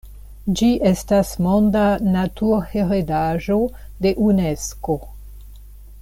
Ĝi estas Monda Naturheredaĵo de Unesko.